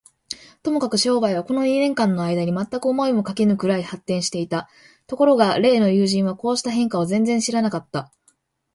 ともかく商売は、この二年間のあいだに、まったく思いもかけぬくらいに発展していた。ところが例の友人は、こうした変化を全然知らなかった。